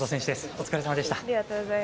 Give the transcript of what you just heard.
お疲れさまでした。